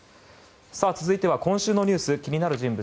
続いては今週のニュース気になる人物